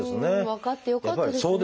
分かってよかったですね。